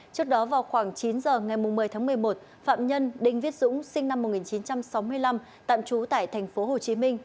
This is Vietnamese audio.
trước đó vào khoảng chín giờ ngày một mươi tháng một mươi một phạm nhân đinh viết dũng sinh năm một nghìn chín trăm sáu mươi năm tạm trú tại thành phố hồ chí minh